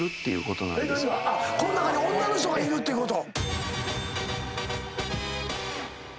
この中に女の人がいるってこと⁉